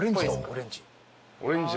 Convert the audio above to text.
オレンジ。